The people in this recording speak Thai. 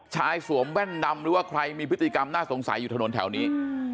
สวมแว่นดำหรือว่าใครมีพฤติกรรมน่าสงสัยอยู่ถนนแถวนี้